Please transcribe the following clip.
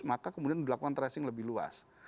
maka kemudian dilakukan tracing lebih luas